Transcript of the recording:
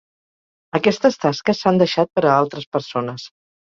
Aquestes tasques s'han deixat per a altres persones.